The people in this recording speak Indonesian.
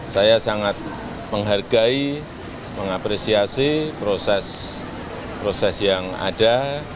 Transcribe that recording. saya sangat menghargai mengapresiasi proses yang ada